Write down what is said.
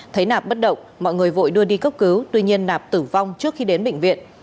thấy nạp bất động mọi người vội đưa đi cấp cứu tuy nhiên nạp tử vong trước khi đến bệnh viện